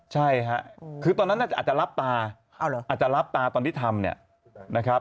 ใช่ค่ะคือตอนนั้นอาจจะรับตาอาจจะรับตาตอนที่ทำเนี่ยนะครับ